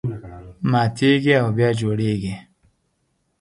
ماتېږي او بیا جوړېږي.